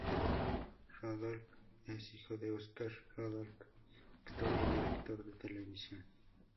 Rudolph es hijo de Oscar Rudolph, actor y director de televisión.